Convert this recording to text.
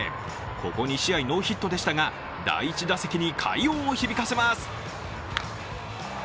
ここ２試合ノーヒットでしたが、第１打席に快音を響かせます。